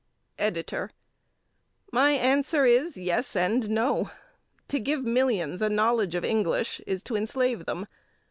EDITOR: My answer is yes and no. To give millions a knowledge of English is to enslave them.